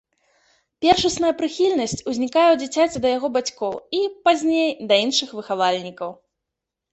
Першасная прыхільнасць узнікае ў дзіцяці да яго бацькоў і, пазней, да іншых выхавальнікаў.